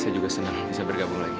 saya juga senang bisa bergabung lagi